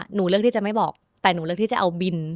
หนูเลือกที่จะไม่บอกแต่หนูเลือกที่จะเอาบิน